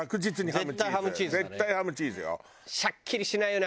絶対ハム＆チーズだね。